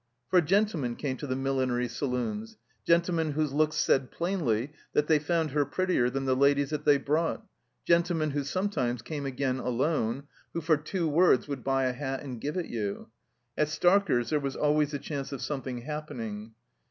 For gentlemen came to the Millinery Saloons, gentlemen whose looks said plainly that they found her prettier than the ladies that they brought; gentlemen who sometimes came again alone, who for two words would buy a hat and give it you. At Starker's there was always a chance of something happening.